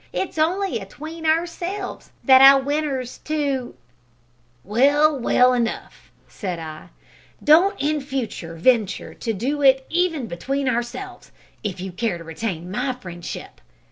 It's only atween ourselves that I wentur's to " "Well, well; enough," said I; "don't in future venture to do it even between ourselves, if you care to retain my friendship.